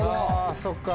あぁそっか。